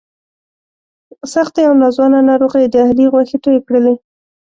سختې او ناځوانه ناروغۍ د علي غوښې تویې کړلې.